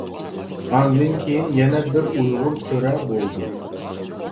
ئاندىن كېيىن يەنە بىر ئۇيغۇر تۆرە بولدى.